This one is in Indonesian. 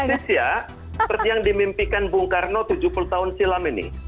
ini presis ya seperti yang dimimpikan bung karno tujuh puluh tahun silam ini